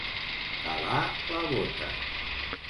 Calar la bota.